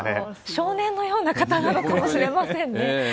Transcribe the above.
少年のような方なのかもしれませんね。